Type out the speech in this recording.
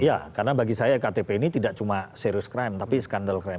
iya karena bagi saya ktp ini tidak cuma serius krim tapi skandal krim